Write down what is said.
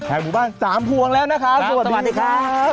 แข่งหมู่บ้านสามภวงแล้วนะคะสวัสดีครับ